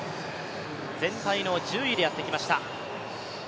全体の１０位でやってきました。